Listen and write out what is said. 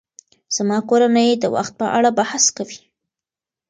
زما کورنۍ د وخت په اړه بحث کوي.